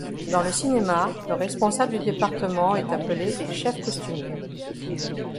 Dans le cinéma, le responsable du département est appelé chef costumier.